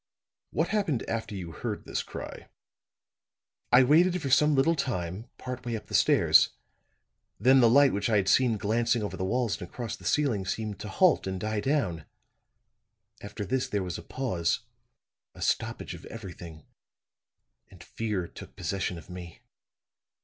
"What happened after you heard this cry?" "I waited for some little time, part way up the stairs. Then the light which I had seen glancing over the walls and across the ceiling, seemed to halt and die down. After this there was a pause, a stoppage of everything, and fear took possession of me.